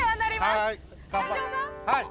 はい。